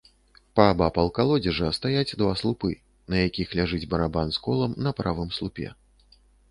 Паабапал калодзежа стаяць два слупы, на якіх ляжыць барабан з колам на правым слупе.